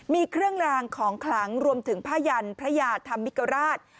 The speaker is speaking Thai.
มีเครื่องรางของขลังรวมถึงผ้ายันพระยาธรรมิกราช